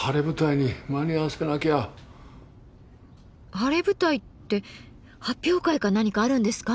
晴れ舞台って発表会か何かあるんですか？